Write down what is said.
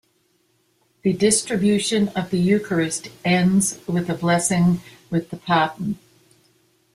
The distribution of the Eucharist ends with a blessing with the Paten.